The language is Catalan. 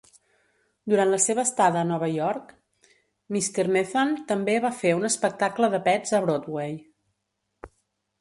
Durant la seva estada a Nova York, Mr. Methane també va fer un espectacle de pets a Broadway.